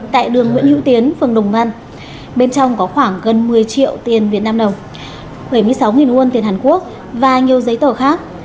tại đường nguyễn hữu tiến phường đồng văn bên trong có khoảng gần một mươi triệu tiền việt nam đồng bảy mươi sáu won tiền hàn quốc và nhiều giấy tờ khác